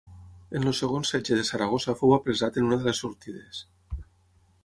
En el segon setge de Saragossa fou apressat en una de les sortides.